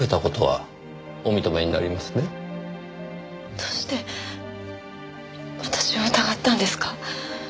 どうして私を疑ったんですか？